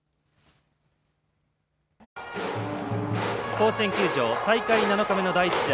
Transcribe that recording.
甲子園球場大会７日目の第１試合。